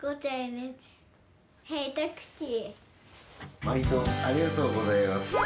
まいどありがとうございます。